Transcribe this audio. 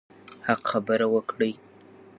حق خبره وکړئ.